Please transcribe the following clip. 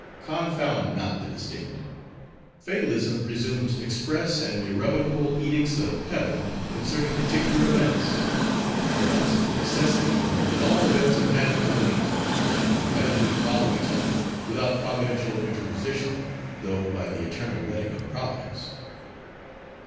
Confound not the distinct. Fatalism presumes express and irrevocable edicts of heaven concerning particular events. Whereas, Necessity holds that all events are naturally linked, and inevitably follow each other, without providential interposition, though by the eternal letting of Providence."